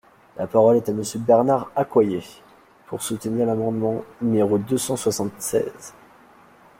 La parole est à Monsieur Bernard Accoyer, pour soutenir l’amendement numéro deux cent soixante-seize.